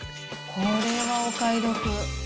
これはお買い得。